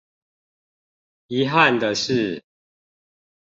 遺憾的是